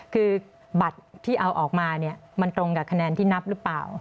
คือบัตรที่เอาออกมาเนี่ยมันตรงกับคะแนนที่นับหรือเปล่า